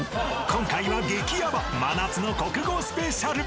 ［今回は激ヤバ真夏の国語スペシャル！］